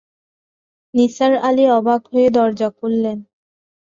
নিসার আলি অবাক হয়ে দরজা খুললেন।